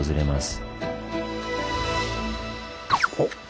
おっ！